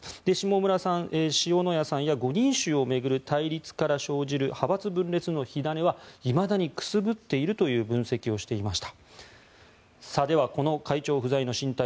下村さん、塩谷さんから生じる派閥対立の火種はいまだにくすぶっているという分析をしていました。